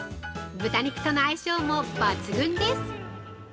豚肉との相性も抜群です。